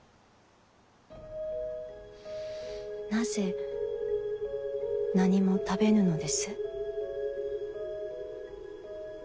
なぜ何も食べぬのです？